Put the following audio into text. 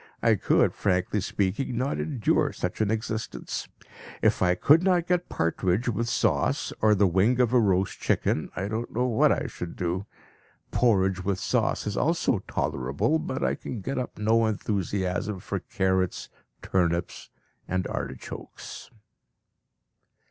I could, frankly speaking, not endure such an existence. If I could not get partridge with sauce, or the wing of a roast chicken, I don't know what I should do. Porridge with sauce is also tolerable, but I can get up no enthusiasm for carrots, turnips, and artichokes."